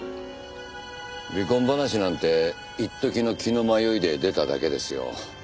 離婚話なんて一時の気の迷いで出ただけですよ。